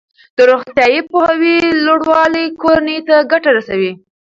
د روغتیايي پوهاوي لوړوالی کورنۍ ته ګټه رسوي.